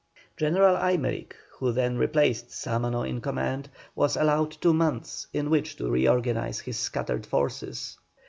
General Aymerich, who then replaced Sámano in command, was allowed two months in which to reorganize his scattered forces.